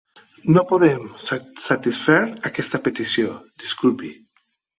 No podem satisfer aquesta petició, disculpi.